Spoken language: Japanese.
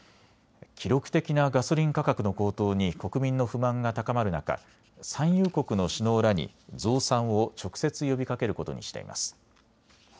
記録的なガソリン価格の高騰に国民の不満が高まる中、産油国の首脳らに増産を直接呼びかけることにしています。